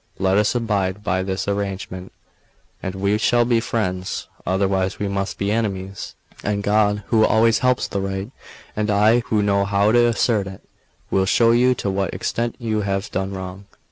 Let us abide by this agreement, and we shall be friends; otherwise we must be enemies; and God, who always helps the right, and I, who know how to assert it, will show you to what extent you have done wrong."